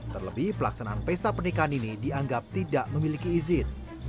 terlebih pelaksanaan pesta pernikahan ini dianggap tidak memiliki izin